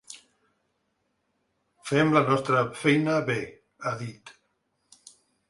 Fem la nostra feina bé, ha dit.